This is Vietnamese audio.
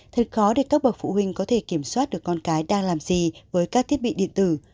thật khó để các bậc phụ huynh có thể kiểm soát được con cái đang làm gì với các thiết bị điện tử